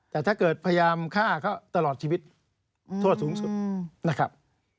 แต่ถ้าเกิดพยายามฆ่าเขาตลอดชีวิตโทษสูงสุดนะครับ